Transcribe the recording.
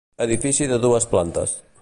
Edifici de dues plantes.